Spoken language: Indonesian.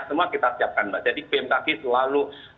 semua kita siapkan mbak jadi bmkg selalu